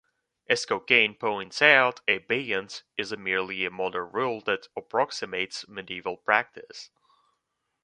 As Cokayne points out, abeyance is merely a modern rule that approximates medieval practice.